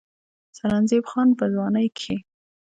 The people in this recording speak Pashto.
سرنزېب خان پۀ ځوانۍ کښې